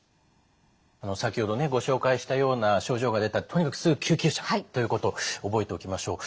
先ほどねご紹介したような症状が出たらとにかくすぐ救急車ということを覚えておきましょう。